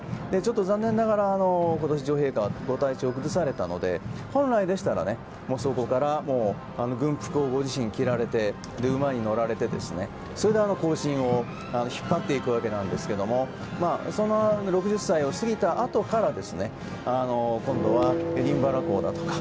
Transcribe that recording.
残念ながら今年、女王陛下はご体調を崩されたので本来でしたらそこから軍服をご自身で着られて馬に乗られて行進を引っ張っていくわけですが６０歳を過ぎたあとから今度はエディンバラ公だとか。